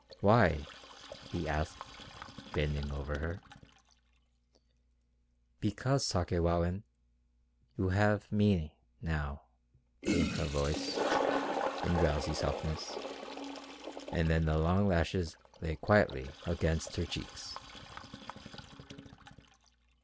"Why?" he asked, bending over her. "Because, Sakewawin ... you have me ... now," came her voice, in drowsy softness; and then the long lashes lay quietly against her cheeks.